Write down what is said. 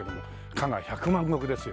加賀百万石ですよね。